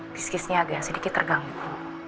biskisnya agak sedikit terganggu